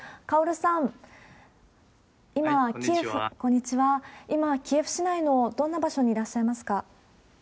カオルさん、今、キエフ市内のどんな場所にいらっしゃいますか？